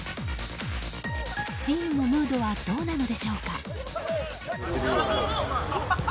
チームのムードはどうなのでしょうか？